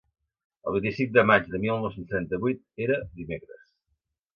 El vint-i-cinc de maig de mil nou-cents trenta-vuit era dimecres.